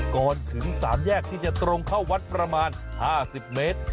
ก่อนถึง๓แยกที่จะตรงเข้าวัดประมาณ๕๐เมตร